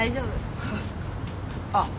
あっ！